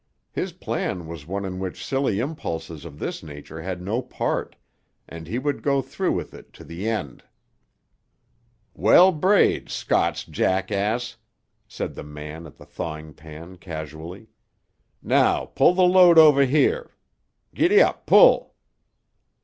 His plan was one in which silly impulses of this nature had no part, and he would go through with it to the end. "Well brayed, Scots jackass," said the man at the thawing pan casually. "Now pull tuh load over here. Giddap pull!"